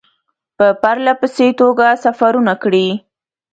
په پرله پسې توګه سفرونه کړي.